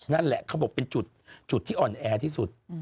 นั่นแหละเขาบอกเป็นจุดที่อ่อนแอที่สุด